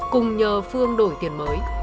cùng nhờ phương đổi tiền mới